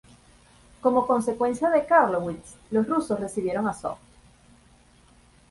Como consecuencia de Karlowitz los rusos recibieron Azov.